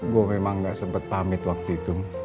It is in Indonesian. gue memang gak sempat pamit waktu itu